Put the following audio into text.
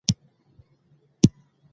د محصل لپاره ارزونه د پرمختګ لار ده.